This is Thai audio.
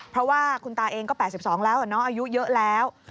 เพราะว่าคุณตาเองก็๘๒แล้วน้องอายุเยอะแล้ว